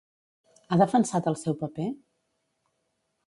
Ha defensat el seu paper?